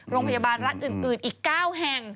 โรงพยาบาลรัฐอื่นอีก๙แห่ง